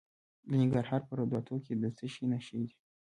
د ننګرهار په روداتو کې د څه شي نښې دي؟